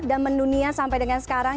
dan mendunia sampai dengan sekarang